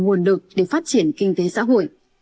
nguồn lực để phát triển kinh tế xã hội